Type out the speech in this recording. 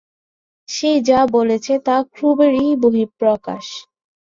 সে যা বলছে, তা ক্ষোভেরই বহিঃপ্রকাশ।